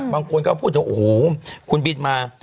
บางคนก็พูดถึงโอ้โหคุณบินมา